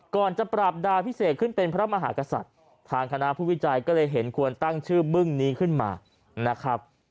ก่อนจะปราบดาพิเศษขึ้นเป็นพระมหากษัตริย์ทางคณะผู้วิจัยก็เลยเห็นควรตั้งชื่อบึ้งนี้ขึ้นมานะครับ